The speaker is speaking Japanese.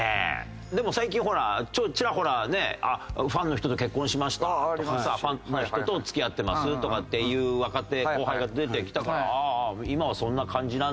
でも最近ほらちらほらねファンの人と結婚しましたとかさファンの人と付き合ってますとかっていう若手後輩が出てきたからああ今はそんな感じなんだなとは思ってる。